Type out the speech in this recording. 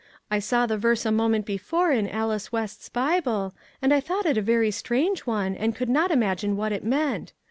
I saw the verse a moment before in Alice West's Bible, and I thought it a very strange one and could not imagine what it meant.